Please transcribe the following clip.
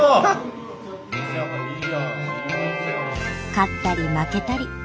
勝ったり負けたり。